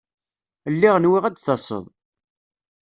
Lliɣ nwiɣ ad d-taseḍ.